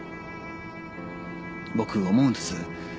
僕思うんです。